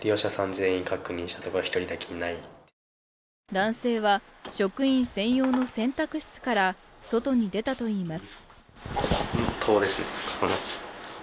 男性は職員専用の洗濯室から外に出たといいます。